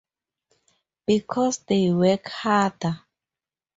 Because they work harder?